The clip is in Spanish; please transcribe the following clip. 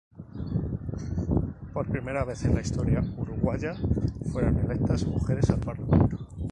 Por primera vez en la historia uruguaya fueron electas mujeres al parlamento.